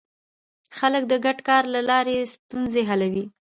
خلک د ګډ کار له لارې ستونزې حلوي